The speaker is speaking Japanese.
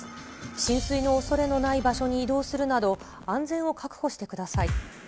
浸水のおそれのない場所に移動するなど、安全を確保してください。